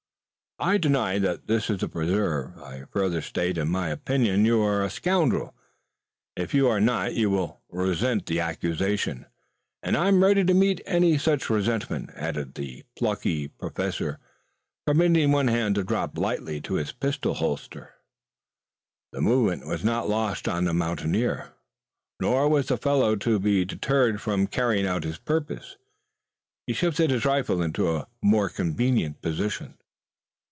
"I deny that this is a preserve. I further state that in my opinion you are a scoundrel. If you are not you will resent the accusation, and I am ready to meet any such resentment," added the plucky Professor, permitting one hand to drop lightly to his pistol holster. The movement was not lost on the mountaineer. Nor was the fellow to be deterred from carrying out his purpose. He shifted his rifle into a more convenient position.